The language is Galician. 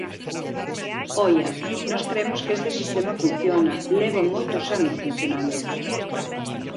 Oia, nós cremos que este sistema funciona, leva moitos anos funcionando.